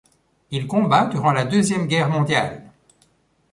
Il combat durant la Deuxième Guerre mondiale.